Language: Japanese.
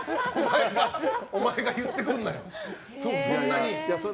お前が言ってくんなよ。